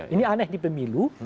ini aneh di pemilu